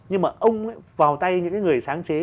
nhưng mà ông ấy vào tay những cái người sáng chế